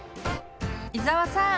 伊沢さん